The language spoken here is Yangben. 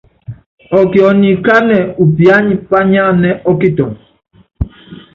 Ɔkiɔ nyi kánɛ upiányi pányánanɛ́ ɔ́kitɔŋɔ.